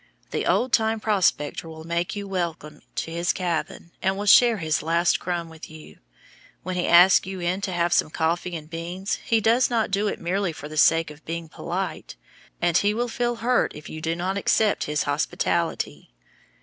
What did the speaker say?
The old time prospector will make you welcome to his cabin and will share his last crust with you. When he asks you in to have some coffee and beans, he does not do it merely for the sake of being polite, and he will feel hurt if you do not accept his hospitality.